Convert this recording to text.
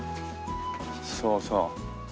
そうそう。